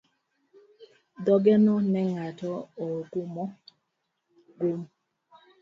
Dhogeno ne ng'ato ogoyo gum.